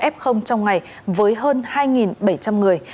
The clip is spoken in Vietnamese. f trong ngày với hơn hai bảy trăm linh người